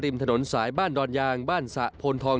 ถนนสายบ้านดอนยางบ้านสะโพนทอง